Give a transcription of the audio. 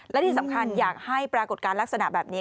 และที่สำคัญอยากให้ปรากฏการณ์ลักษณะแบบนี้